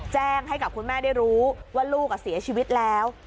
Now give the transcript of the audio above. แจ้งให้กับคุณแม่ได้รู้ว่าลูกเสียชีวิตแล้ว